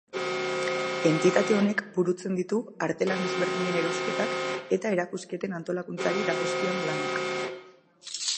Entitate honek burutzen ditu artelan ezberdinen erosketak eta erakusketen antolakuntzari dagozkion lanak.